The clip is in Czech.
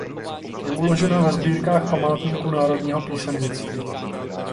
Je uložena ve sbírkách Památníku národního písemnictví.